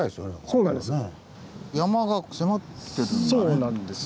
そうなんです。